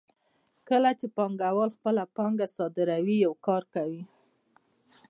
کله چې پانګوال خپله پانګه صادروي یو کار کوي